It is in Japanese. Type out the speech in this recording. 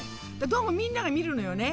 どうもみんなが見るのよね。